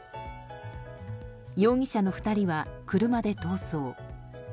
容疑者の２人は車で逃走。